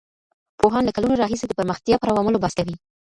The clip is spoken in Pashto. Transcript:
پوهان له کلونو راهيسې د پرمختيا پر عواملو بحث کوي.